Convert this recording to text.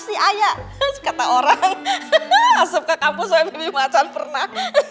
iya pak siap pak